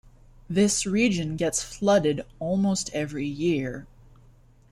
This region gets flooded almost every year.